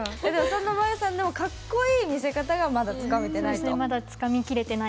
そんな、まゆさんでもかっこいい見せ方がまだつかめていないと。